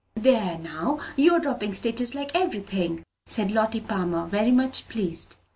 "There, now, you are dropping stitches like every thing," said Lottie Palmer, very much pleased.